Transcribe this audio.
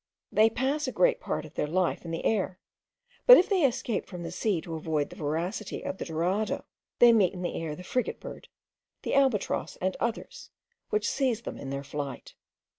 They pass a great part of their life in the air; but if they escape from the sea to avoid the voracity of the Dorado, they meet in the air the Frigate bird, the Albatross, and others, which seize them in their flight.